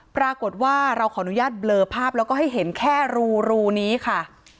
ปรากฏว่าเราขออนุญาตเบลอภาพแล้วก็ให้เห็นแค่รูนี้ค่ะ